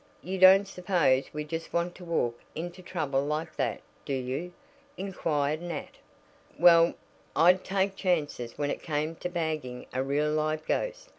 You don't suppose we just want to walk into trouble like that, do you?" inquired Nat. "Well, I'd take chances when it came to bagging a real live ghost.